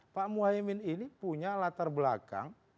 pak muhaymin ini punya latar belakang